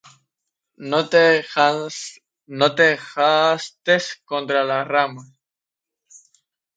No te jactes contra las ramas;